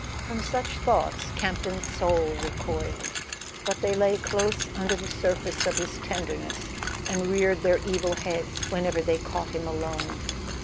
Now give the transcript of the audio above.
From such thoughts Campton's soul recoiled; but they lay close under the surface of his tenderness, and reared their evil heads whenever they caught him alone.